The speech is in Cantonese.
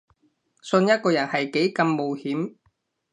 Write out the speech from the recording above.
信一個人係幾咁冒險